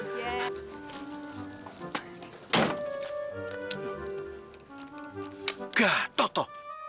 ya bisa aja